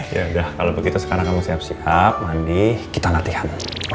ya udah kalau begitu sekarang kamu siap siap mandi kita latihan